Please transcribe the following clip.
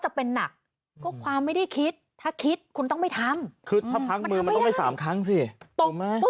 จริงจริงจริงจริงจริงจริงจริง